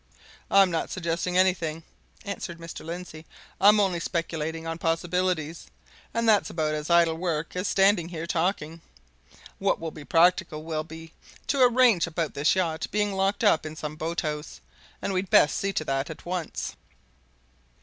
"I'm not suggesting anything," answered Mr. Lindsey. "I'm only speculating on possibilities. And that's about as idle work as standing here talking. What will be practical will be to arrange about this yacht being locked up in some boat house, and we'd best see to that at once."